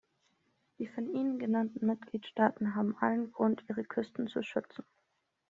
Die von Ihnen genannten Mitgliedstaaten haben allen Grund, ihre Küsten zu schützen.